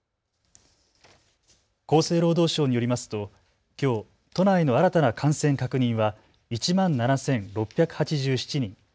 厚生労働省によりますときょう都内の新たな感染確認は１万７６８７人。